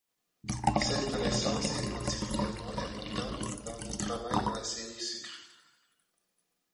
Cette connaissance est particulièrement importante lors d'un travail dans la série sucres.